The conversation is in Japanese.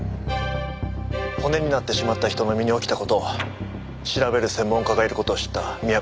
骨になってしまった人の身に起きた事を調べる専門家がいる事を知った宮部さんは。